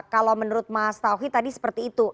kalau menurut mas tauhid tadi seperti itu